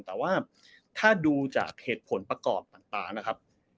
แต่ว่าถ้าดูจากเหตุผลประกอบต่างนะครับ